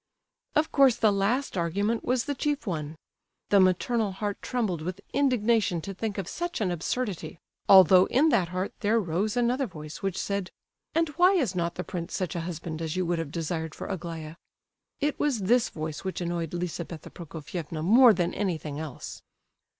Of course, the last argument was the chief one. The maternal heart trembled with indignation to think of such an absurdity, although in that heart there rose another voice, which said: "And why is not the prince such a husband as you would have desired for Aglaya?" It was this voice which annoyed Lizabetha Prokofievna more than anything else.